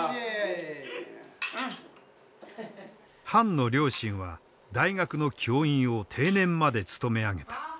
潘の両親は大学の教員を定年まで勤め上げた。